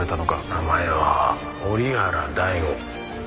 名前は折原大吾。